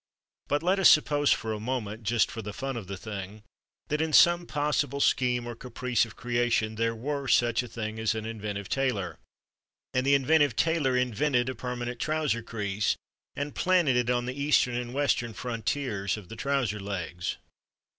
But let us suppose for a moment (just for the fun of the thing) that in some possible scheme or caprice of creation there were such a thing as an inventive tailor. And the inventive tailor invented a permanent trouser crease and planted it on the Eastern and Western frontiers of the trouser legs.